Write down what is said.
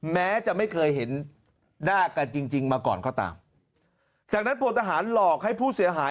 แม้จะไม่เคยเห็นหน้ากันจริงจริงมาก่อนก็ตามจากนั้นพลทหารหลอกให้ผู้เสียหาย